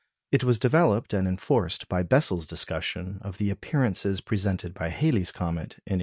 It was developed and enforced by Bessel's discussion of the appearances presented by Halley's comet in 1835.